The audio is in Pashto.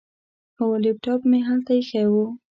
هو، لیپټاپ مې هلته ایښی و.